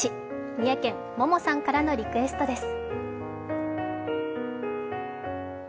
三重県、ももさんからのリクエストです。